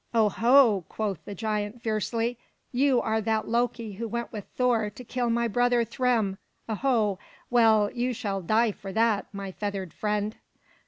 "Oho!" quoth the giant fiercely. "You are that Loki who went with Thor to kill my brother Thrym! Oho! Well, you shall die for that, my feathered friend!"